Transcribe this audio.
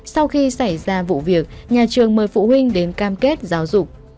sau khi xảy ra vụ việc nhà trường mời phụ huynh đến cam kết giáo dục